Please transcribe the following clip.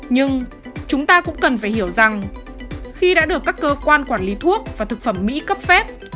nhưng chúng ta cũng cần phải hiểu rằng khi đã được các cơ quan quản lý thuốc và thực phẩm mỹ cấp phép